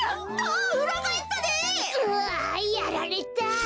うわやられた！